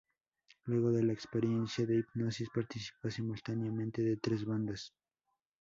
Luego de la experiencia de Hipnosis, participa simultáneamente de tres bandas.